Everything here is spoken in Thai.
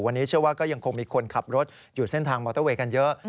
วันนี้เชื่อว่าก็ยังคงมีคนขับรถอยู่เส้นทางมอเตอร์เวย์กันเยอะ